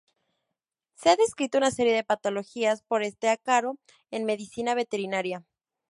Se ha descrito una serie de patologías por este ácaro en medicina veterinaria.